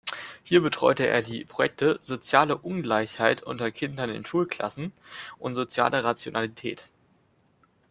Hier betreute er die Projekte „Soziale Ungleichheit unter Kindern in Schulklassen“ und „Soziale Rationalität“.